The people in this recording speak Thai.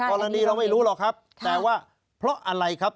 กรณีเราไม่รู้หรอกครับแต่ว่าเพราะอะไรครับ